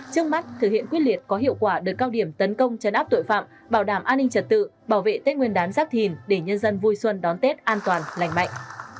trước mắt thực hiện quyết liệt có hiệu quả đợt cao điểm tấn công chấn áp tội phạm bảo đảm an ninh trật tự bảo vệ tết nguyên đán giáp thìn để nhân dân vui xuân đón tết an toàn lành mạnh